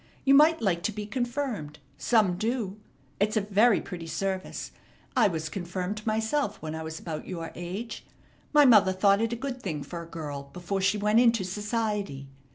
You might like to be confirmed. Some do. It's a very pretty service. I was confirmed myself when I was about your age. My mother thought it a good thing for a girl before she went into society.